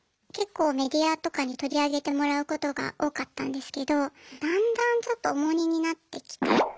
結構メディアとかに取り上げてもらうことが多かったんですけどだんだんちょっと重荷になってきて。